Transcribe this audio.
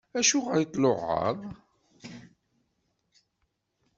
Acuɣeṛ i d-tluɛaḍ?